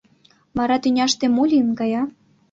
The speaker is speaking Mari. Вара тӱняште мо лийын кая?